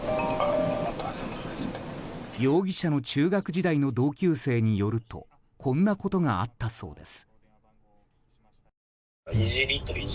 容疑者の中学時代の同級生によるとこんなことがあったそうです。